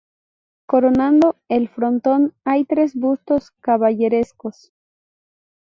Coronando el frontón hay tres bustos caballerescos.